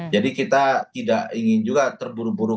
jadi kita tidak ingin juga terburu buru